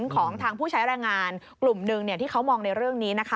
ของทางผู้ใช้แรงงานกลุ่มหนึ่งที่เขามองในเรื่องนี้นะคะ